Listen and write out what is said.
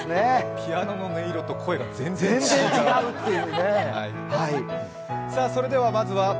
ピアノの音色と声が全然違う。